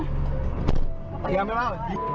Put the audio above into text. เตรียมหรือเปล่า